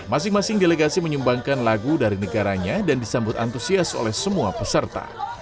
masing masing delegasi menyumbangkan lagu dari negaranya dan disambut antusias oleh semua peserta